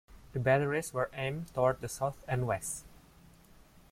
The batteries were aimed toward the south and west.